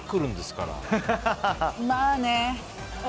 まあね。